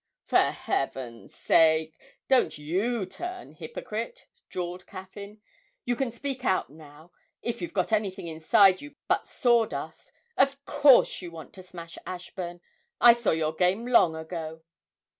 'For Heaven's sake don't you turn hypocrite!' drawled Caffyn. 'You can speak out now if you've got anything inside you but sawdust, of course you want to smash Ashburn! I saw your game long ago.'